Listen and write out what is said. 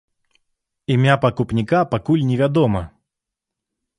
Імя пакупніка пакуль не вядома.